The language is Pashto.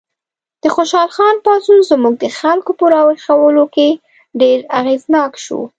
د خوشحال خان پاڅون زموږ د خلکو په راویښولو کې ډېر اغېزناک شو.